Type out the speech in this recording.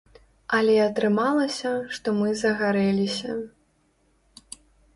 Але атрымалася, што мы загарэліся.